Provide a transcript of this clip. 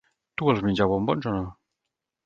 Tu vols menjar bombons o no?